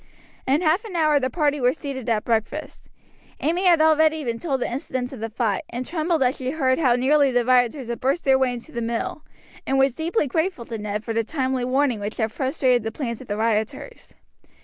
In half an hour the party were seated at breakfast. Amy had already been told the incidents of the fight, and trembled as she heard how nearly the rioters had burst their way into the mill, and was deeply grateful to Ned for the timely warning which had frustrated the plans of the rioters.